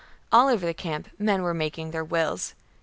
All over the camp 58 b.c. men were making their wills.